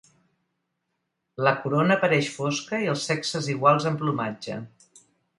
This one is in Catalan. La corona apareix fosca i els sexes iguals en plomatge.